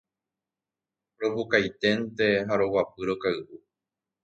Ropukainténte ha roguapy rokay'u